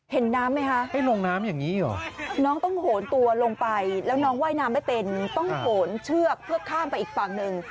เห็นน้ำไหมคะให้ลงน้ำอย่างนี้หรอน้องต้องโหนตัวลงไปแล้วน้องว่ายน้ำไม่เป็นต้องโหนเชือกเพื่อข้ามไปอีกฝั่งหนึ่ง